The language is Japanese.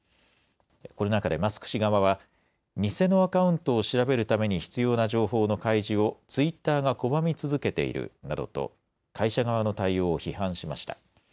この中でマスク氏側は偽のアカウントを調べるために必要な情報の開示をツイッターが拒み続けているなどと会社側の対応を批判しました。